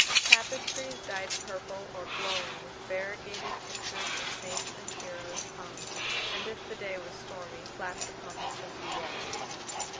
Tapestries, dyed purple, or glowing with variegated pictures of saints and heroes, hung, and if the day was stormy, flapped upon the chinky walls.